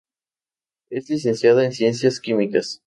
Es licenciada en Ciencias Químicas.